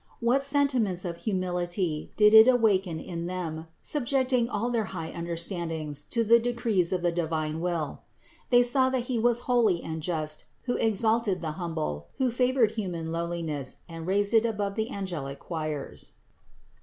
What sentiments of humility did it awaken in them, subjecting all their high understandings to the decrees of the divine Will! They saw that He was holy and just, who exalted the humble, who favored human lowliness and raised it above the angelic choirs.